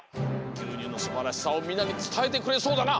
ぎゅうにゅうのすばらしさをみんなにつたえてくれそうだな！